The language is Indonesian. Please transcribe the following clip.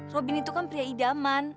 robin itu kan pria idaman